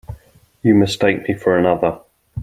You mistake me for another.